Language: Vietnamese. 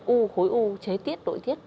u khối u chế tiết nội tiết